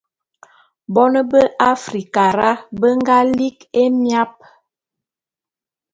Bone be Afrikara fe be nga li'i émiap.